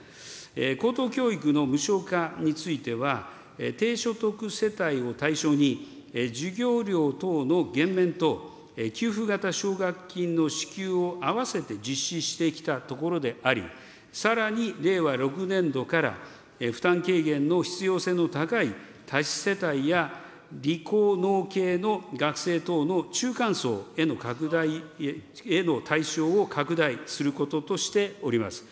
高等教育の無償化については、低所得世帯を対象に、授業料等の減免と給付型奨学金の支給をあわせて実施してきたところであり、さらに、令和６年度から負担軽減の必要性の高い多子世帯や理工農系の学生等の中間層への拡大への対象を拡大することとしております。